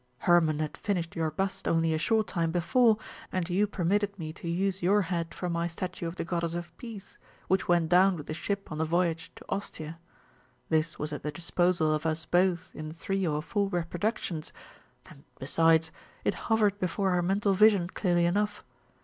"Hermon had finished your bust only a short time before, and you permitted me to use your head for my statue of the goddess of Peace, which went down with the ship on the voyage to Ostia. This was at the disposal of us both in three or four reproductions, and, besides, it hovered before our mental vision clearly enough.